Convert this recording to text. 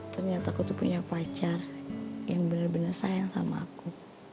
ternyata aku tuh punya pacar yang benar benar sayang sama aku